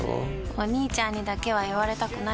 お兄ちゃんにだけは言われたくないし。